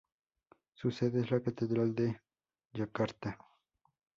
Su sede es la Catedral de Yakarta.